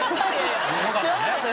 知らなかった。